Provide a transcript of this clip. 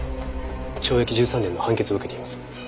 懲役１３年の判決を受けています。